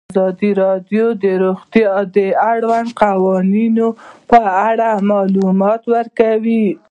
ازادي راډیو د روغتیا د اړونده قوانینو په اړه معلومات ورکړي.